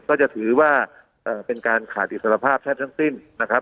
ก็จะถือว่าเป็นการขาดอิสรภาพแทบทั้งสิ้นนะครับ